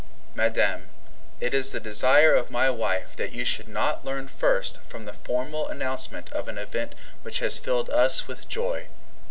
Madame, It is the desire of my wife that you should not learn first from the formal announcement of an event which has filled us with joy.